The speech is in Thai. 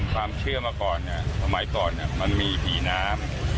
ความเชื่อมาก่อนเนี่ยสมัยก่อนมันมีผีน้ำ